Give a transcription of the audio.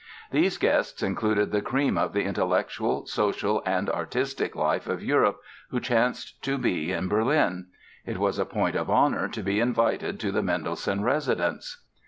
These guests included the cream of the intellectual, social and artistic life of Europe who chanced to be in Berlin. It was a point of honor to be invited to the Mendelssohn residence.